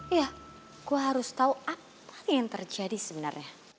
iya gue harus tau apa yang terjadi sebenernya